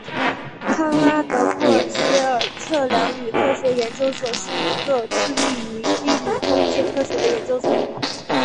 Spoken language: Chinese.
康拉德布吕歇尔测量与科学研究所是一个致力于地理空间科学的研究所。